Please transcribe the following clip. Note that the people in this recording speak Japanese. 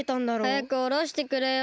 はやくおろしてくれよ。